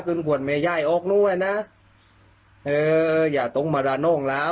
กูงานนี่นะเอออย่าต้องมาดากว่าน้องละ